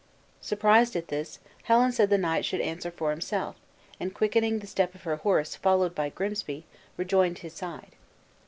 Surprised at this, Helen said the knight should answer for himself; and quickening the step of her horse, followed by Grimsby, rejoined his side.